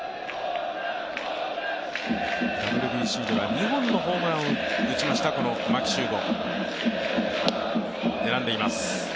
ＷＢＣでは２本のホームランを打ちました、この牧秀悟。